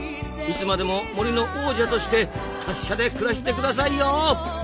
いつまでも森の王者として達者で暮らしてくださいよ！